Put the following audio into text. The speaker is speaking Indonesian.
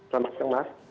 selamat siang mas